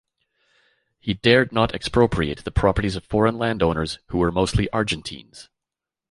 He dared not expropriate the properties of foreign landowners, who were mostly Argentines.